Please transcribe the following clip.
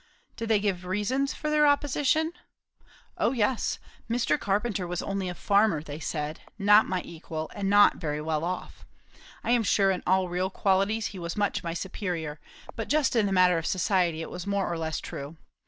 "Did they give any reasons for their opposition?" "O yes. Mr. Carpenter was only a farmer, they said; not my equal, and not very well off. I am sure in all real qualities he was much my superior; but just in the matter of society it was more or less true.